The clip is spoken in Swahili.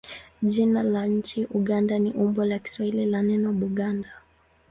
Jina la nchi Uganda ni umbo la Kiswahili la neno Buganda.